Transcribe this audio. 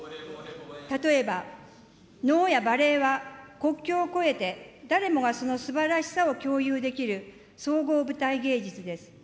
例えば能やバレエは国境を越えて、誰もがそのすばらしさを共有できる総合舞台芸術です。